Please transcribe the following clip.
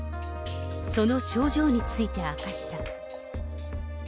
その症状について明かした。